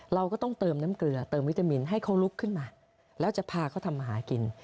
เราก็ต้องเติมน้ำเกลือเติมวิตามินให้เขาลุกขึ้นมาแล้วจะพาเขาทำมาหากิน